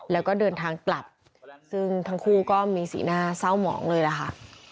แล้วก็เดินทางกลับซึ่งทั้งคู่ก็มีสีหน้าเศร้าหมองเลยล่ะค่ะ